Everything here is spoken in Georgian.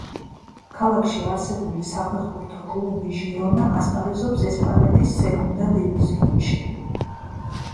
ქალაქში არსებული საფეხბურთო კლუბი „ჟირონა“ ასპარეზობს ესპანეთის სეგუნდა დივიზიონში.